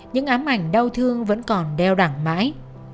những ám ảnh đau thương vẫn còn đeo đẳng mãi